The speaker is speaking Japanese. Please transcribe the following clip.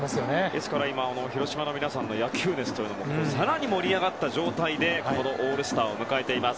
ですから、今、広島の皆さんの野球熱も更に盛り上がった状態でオールスターを迎えています。